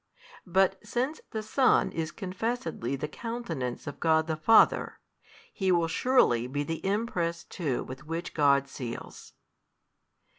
But since the Son is confessedly the Countenance of God the Father, He will surely be the Impress too with which God seals.